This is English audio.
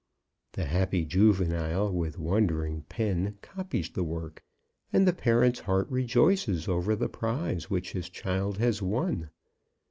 The happy juvenile, with wondering pen, copies the work, and the parent's heart rejoices over the prize which his child has won.